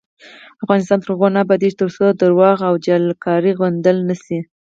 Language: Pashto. افغانستان تر هغو نه ابادیږي، ترڅو درواغ او جعلکاری غندل نشي.